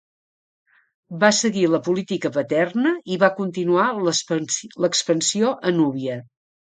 Va seguir la política paterna i va continuar l'expansió a Núbia.